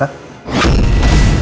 jangan lupa untuk berlangganan